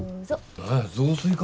何や雑炊か。